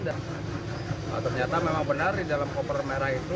dan ternyata memang benar di dalam koper merah itu